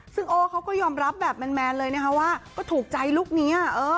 ซึ่งโอ้เขาก็ยอมรับแบบแมนเลยนะคะว่าก็ถูกใจลูกนี้